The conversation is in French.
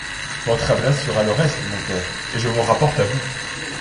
Votre adresse fera le reste, mon père, et je m’en rapporte à vous…